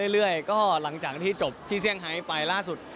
เรื่อยก็หลังจากที่จบที่เซี่ยไปล่าสุด